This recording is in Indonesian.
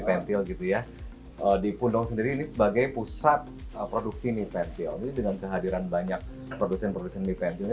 dan meniapkan pengurusan penelitian bas différence